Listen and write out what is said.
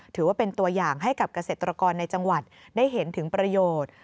ถือว่าเป็นตัวอย่างให้กับเกษตรกรในจังหวัดได้เห็นถึงประโยชน์